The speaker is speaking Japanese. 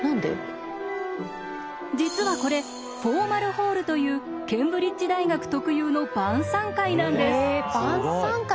実はこれフォーマルホールというケンブリッジ大学特有の晩さん会なんです！